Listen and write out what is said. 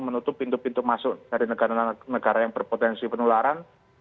menutup pintu pintu masuk dari negara negara yang berpotensi penularan